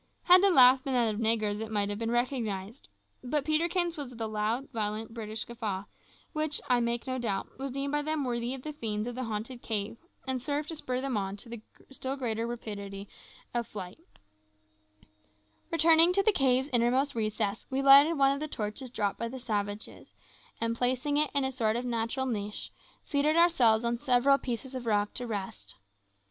Had the laugh been that of negroes it might have been recognised; but Peterkin's was the loud, violent, British guffaw, which, I make no doubt, was deemed by them worthy of the fiends of the haunted cave, and served to spur them on to still greater rapidity in their wild career. Returning into the cave's innermost recess, we lighted one of the torches dropped by the savages, and placing it in a sort of natural niche, seated ourselves on several pieces of rock to rest.